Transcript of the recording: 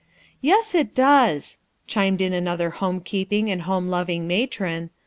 "Yes, it does," chimed in another^ lag and home loving matron, .